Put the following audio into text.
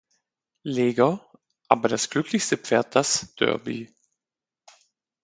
Leger«, aber das glücklichste Pferd das »Derby«.